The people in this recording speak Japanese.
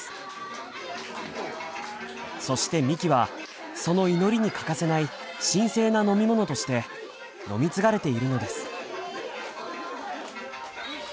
そしてみきはその祈りに欠かせない神聖な飲み物として飲み継がれているのです。